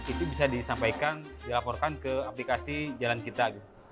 itu bisa disampaikan dilaporkan ke aplikasi jalan kita